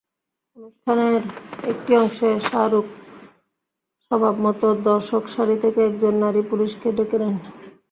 অনুষ্ঠানের একটি অংশে শাহরুখ স্বভাবমতো দর্শকসারি থেকে একজন নারী পুলিশকে ডেকে নেন।